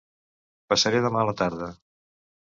Passaré demà a la tarda.